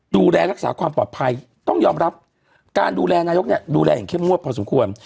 ดูแลรักษาความปลอดภัยต้องยอมรับการดูแลนายกเนี่ยดูแลอย่างเข้มงวดพอสมควร